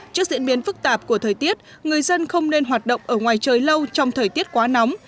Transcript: trước diễn biến phức tạp của thời tiết người dân không nên hoạt động ở ngoài trời lâu trong thời tiết quá nóng